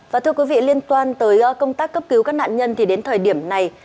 và thưa quý vị liên quan tới công tác cấp cứu các nạn nhân thì đến thời điểm này